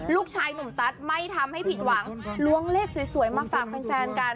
ลูกชายหนุ่มตัสไม่ทำให้ผิดหวังล้วงเลขสวยมาฝากแฟนกัน